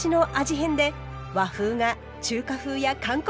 変で和風が中華風や韓国風に！